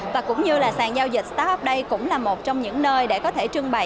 và cũng như là sàn giao dịch start up day cũng là một trong những nơi để có thể trưng bày